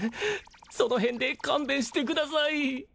その辺で勘弁してください